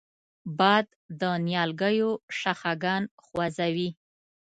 باد د نیالګیو شاخهګان خوځوي